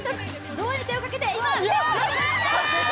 ドアに手をかけて今！